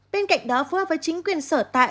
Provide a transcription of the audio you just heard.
bên cạnh đó phối hợp với chính quyền sở tại